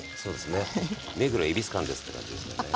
目黒恵比寿間ですって感じですよね。